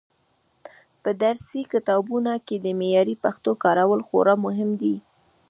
په درسي کتابونو کې د معیاري پښتو کارول خورا مهم دي.